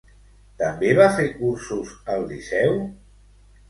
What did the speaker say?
També va fer cursos al Liceu?